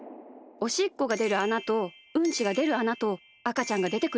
おしっこがでるあなとうんちがでるあなとあかちゃんがでてくるあな。